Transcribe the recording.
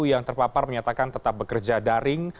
yang terpapar menyatakan tetap bekerja daring